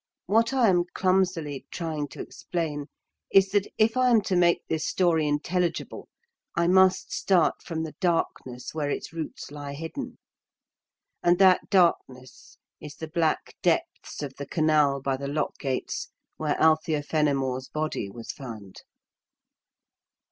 What I am clumsily trying to explain is that if I am to make this story intelligible I must start from the darkness where its roots lie hidden. And that darkness is the black depths of the canal by the lock gates where Althea Fenimore's body was found.